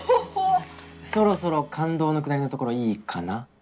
そろそろ感動のくだりのところいいかな？